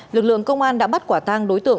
lực lượng công an đã bắt quả tang đối tượng